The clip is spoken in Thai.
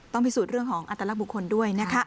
ต้องพิสูจน์เรื่องของอัตลบุคคลด้วยนะคะ